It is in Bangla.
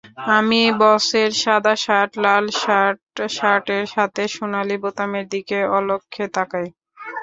আমি বসের সাদা শার্ট, লাল টাই, শার্টের হাতের সোনালি বোতামের দিকে অলক্ষে তাকাই।